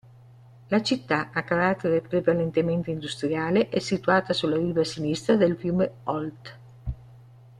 La città, a carattere prevalentemente industriale, è situata sulla riva sinistra del fiume Olt.